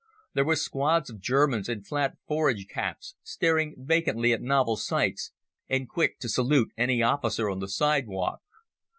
There were squads of Germans in flat forage caps, staring vacantly at novel sights, and quick to salute any officer on the side walk.